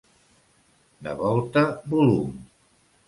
De volta volum.